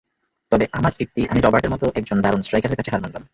তবে আমার তৃপ্তি আমি রবার্টের মতো একজন দারুণ স্ট্রাইকারের কাছে হার মানলাম।